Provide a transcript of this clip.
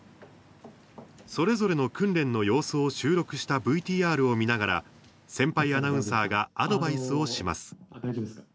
それぞれの訓練の様子を収録したＶＴＲを見ながら先輩アナウンサーがアドバイスをします。